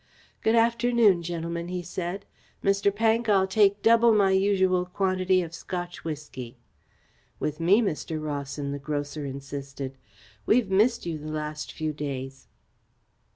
"Good afternoon, gentlemen," he said. "Mr. Pank, I'll take double my usual quantity of Scotch whisky." "With me, Mr. Rawson," the grocer insisted. "We've missed you the last few days."